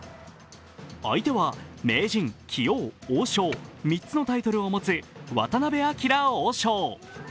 相手は名人、棋王、王将、３つのタイトルを持つ渡辺明王将。